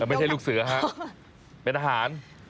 แต่ไม่ใช่ลูกเสือฮะเป็นอาหาร